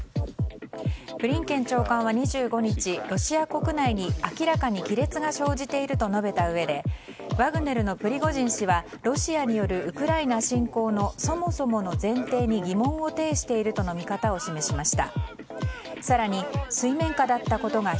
ブリンケン長官は２５日ロシア国内に明らかに亀裂が生じていると述べたうえでワグネルのプリゴジン氏はロシアによるウクライナ侵攻のそもそもの前提に疑問を呈しているとの見方を示しました。